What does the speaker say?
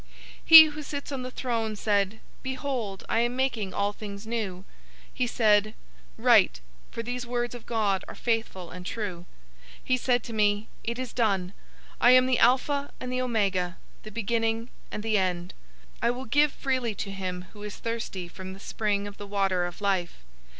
021:005 He who sits on the throne said, "Behold, I am making all things new." He said, "Write, for these words of God are faithful and true." 021:006 He said to me, "It is done! I am the Alpha and the Omega, the Beginning and the End. I will give freely to him who is thirsty from the spring of the water of life.